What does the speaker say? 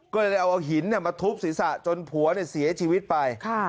ก็เลยเอาหินเนี่ยมาทุบศีรษะจนผัวเนี่ยเสียชีวิตไปค่ะ